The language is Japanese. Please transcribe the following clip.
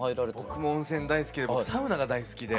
僕も温泉大好きで僕サウナが大好きで。